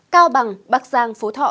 cao bằng bắc giang phú thọ